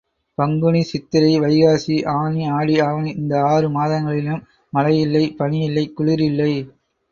பங்குனி சித்திரை வைகாசி ஆனி ஆடி ஆவணி இந்த ஆறு மாதங்களிலும் மழையில்லை, பனியில்லை, குளிரில்லை.